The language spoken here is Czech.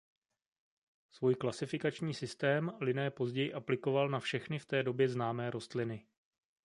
Svůj klasifikační systém Linné později aplikoval na všechny v té době známé rostliny.